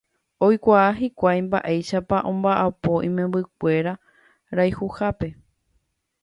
Oikuaa hikuái mba'éichapa omba'apo imembykuéra rayhupápe.